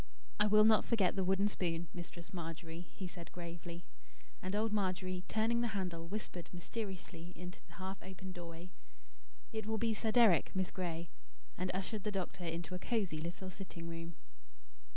"I will not forget the wooden spoon, Mistress Margery," he said, gravely. And old Margery, turning the handle whispered mysteriously into the half opened doorway: "It will be Sir Deryck, Miss Gray," and ushered the doctor into a cosy little sitting room.